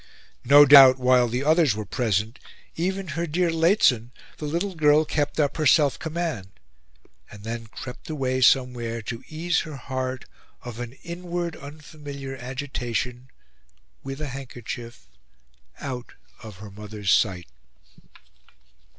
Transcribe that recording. No doubt, while the others were present, even her dear Lehzen, the little girl kept up her self command; and then crept away somewhere to ease her heart of an inward, unfamiliar agitation, with a handkerchief, out of her mother's sight.